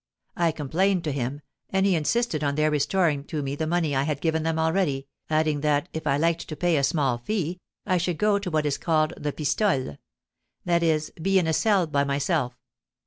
I complained to him, and he insisted on their restoring to me the money I had given them already, adding that, if I liked to pay a small fee, I should go to what is called the pistole; that is, be in a cell to myself.